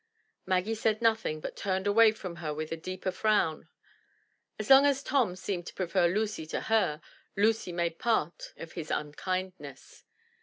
Maggie said nothing but turned away from her with a deeper frown. As long as Tom seemed to prefer Lucy to her, Lucy made part of his unkindness.